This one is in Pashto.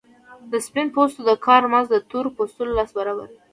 د سپین پوستو د کار مزد د تور پوستو لس برابره وو